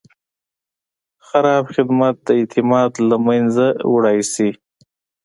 خراب خدمت د اعتماد له منځه وړی شي.